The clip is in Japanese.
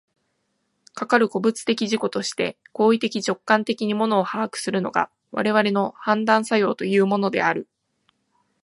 かかる個物的自己として行為的直観的に物を把握するのが、我々の判断作用というものである。